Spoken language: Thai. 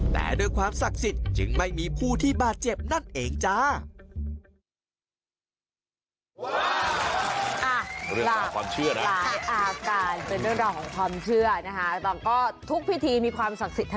แต่ด้วยความศักดิ์สิทธิ์จึงไม่มีผู้ที่บาดเจ็บนั่นเองจ้า